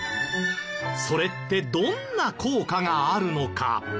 それってどんな効果があるのか？